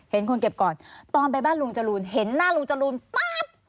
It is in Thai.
เห็นคนเก็บก่อนตอนไปบ้านลุงจรูนเห็นหน้าลุงจรูนปั๊บ